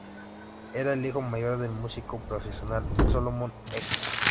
Era el hijo mayor del músico profesional Solomon Eccles.